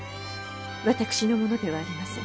私のものではありません。